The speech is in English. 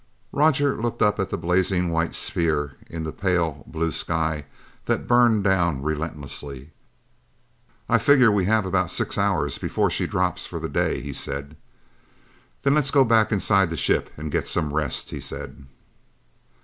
Roger looked up at the blazing white sphere in the pale blue sky that burned down relentlessly. "I figure we have about six hours before she drops for the day," he said. "Then let's go back inside the ship and get some rest," he said.